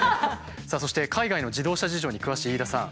さあそして海外の自動車事情に詳しい飯田さん。